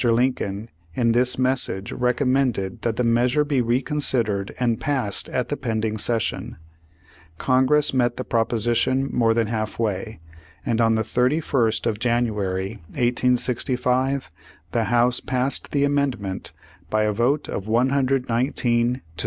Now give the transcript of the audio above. Lincoln, in this message recom mended that the measure be reconsidered and passed at the pending session. Congress met the proposition more than half way, and on the 31st of January, 1865, the House passed the Amend ment by a vote of 119 to 66.